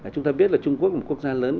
chúng ta biết là trung quốc là một quốc gia lớn